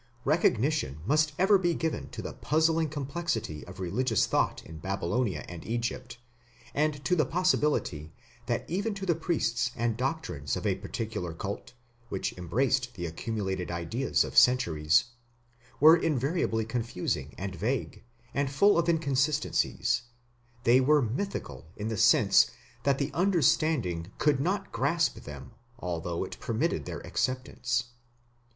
Recognition must ever be given to the puzzling complexity of religious thought in Babylonia and Egypt, and to the possibility that even to the priests the doctrines of a particular cult, which embraced the accumulated ideas of centuries, were invariably confusing and vague, and full of inconsistencies; they were mystical in the sense that the understanding could not grasp them although it permitted their acceptance.